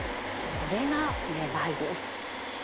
これがめまいです。